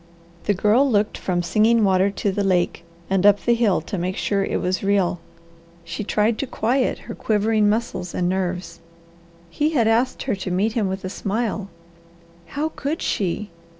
The Girl looked from Singing Water to the lake, and up the hill to make sure it was real. She tried to quiet her quivering muscles and nerves. He had asked her to meet him with a smile. How could she?